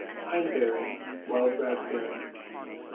hindberrye: wild raspberry.